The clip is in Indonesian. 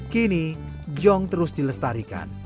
kini jong terus dilestarikan